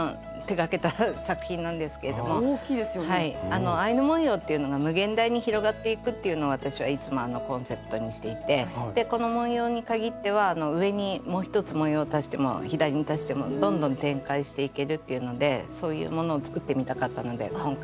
あのアイヌ文様っていうのが無限大に広がっていくっていうのを私はいつもコンセプトにしていてでこの文様に限っては上にもう１つ文様を足しても左に足してもどんどん展開していけるっていうのでそういうものを作ってみたかったので今回。